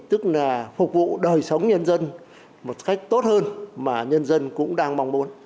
tức là phục vụ đời sống dân dân một cách tốt hơn mà dân dân cũng đang mong muốn